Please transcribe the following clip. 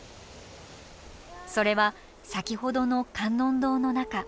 それは先ほどの観音堂の中。